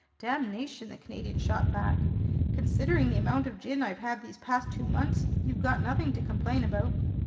"Damnation!" the Canadian shot back. "Considering the amount of gin I've had these past two months, you've got nothing to complain about!"